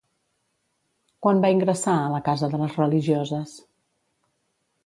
Quan va ingressar a la casa de les religioses?